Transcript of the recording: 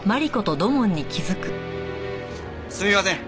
すみません。